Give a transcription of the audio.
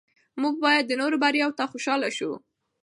موږ باید د نورو بریاوو ته خوشحاله شو